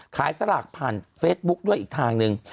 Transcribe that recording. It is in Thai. สลากผ่านเฟซบุ๊คด้วยอีกทางหนึ่ง